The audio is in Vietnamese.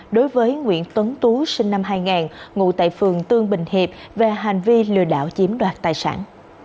đối với nguyễn tuấn tú sinh năm hai nghìn ngụ tại phường tương bình hiệp về hành vi lừa đảo chiếm đoạt tài sản